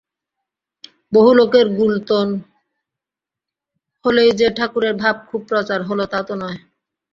বহু লোকের গুলতোন হলেই যে ঠাকুরের ভাব খুব প্রচার হল, তা তো নয়।